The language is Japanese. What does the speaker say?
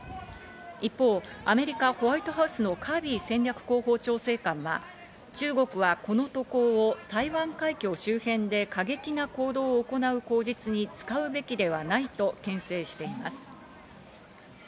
一方、アメリカ・ホワイトハウスのカービー戦略広報調整官は中国はこの渡航を台湾海峡周辺で過激な行動を行う口実に使うべきではないとけん制しています。